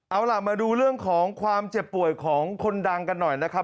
เอาล่ะมาดูเรื่องของความเจ็บป่วยของคนดังกันหน่อยนะครับ